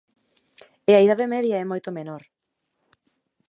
E a idade media é moito menor.